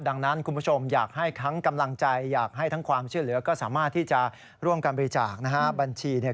ดังนั้นคุณผู้ชมอยากให้ทั้งกำลังใจอยากให้ทั้งความช่วยเหลือก็สามารถที่จะร่วมกันบริจาคนะฮะบัญชีเนี่ย